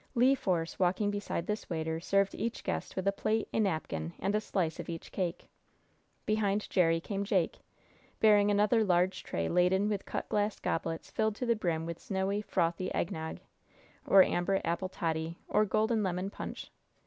Le Force, walking beside this waiter, served each guest with a plate, a napkin and a slice of each cake. Behind Jerry came Jake, bearing another large tray laden with cut glass goblets filled to the brim with snowy, frothy eggnog, or amber apple toddy, or golden lemon punch.